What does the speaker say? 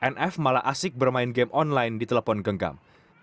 nf malah asik bermain game online di telepon genggam